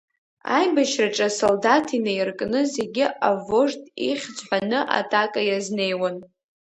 Аибашьраҿы асолдаҭ инаиркны зегьы авожд ихьӡ ҳәаны атака иазнеиуан.